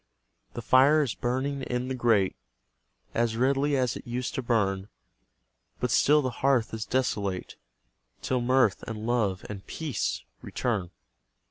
The fire is burning in the grate As redly as it used to burn; But still the hearth is desolate, Till mirth, and love, and PEACE return.